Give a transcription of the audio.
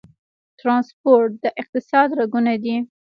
ټرانسپورټ د اقتصاد رګونه دي